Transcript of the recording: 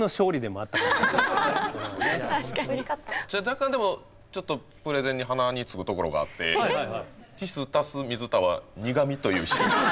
若干でもちょっとプレゼンに鼻につくところがあってティス足す水田は苦味という式。